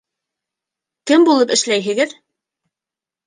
Кем булып эшләйһегеҙ?